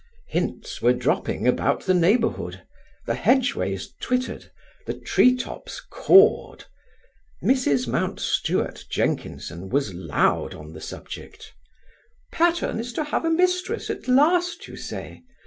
Hints were dropping about the neighbourhood; the hedgeways twittered, the tree tops cawed. Mrs. Mountstuart Jenkinson was loud on the subject: "Patterne is to have a mistress at last, you say?